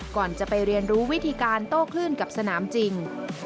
ก่อนจะไปเรียนรู้วิธีการโต้คลื่นกับสนามจริง